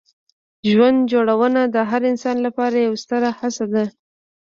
ژوند جوړونه د هر انسان لپاره یوه ستره هڅه ده.